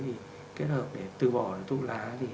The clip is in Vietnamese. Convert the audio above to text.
để kết hợp để từ bỏ thuốc lá